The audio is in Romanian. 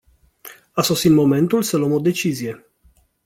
A sosit momentul să luăm o decizie.